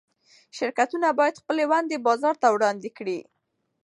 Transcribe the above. شرکتونه باید خپلې ونډې بازار ته وړاندې کړي.